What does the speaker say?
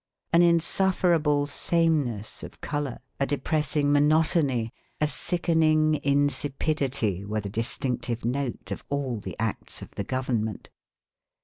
An insufferable sameness of colour, a depressing monotony, a sickening insipidity were the distinctive note of all the acts of the government.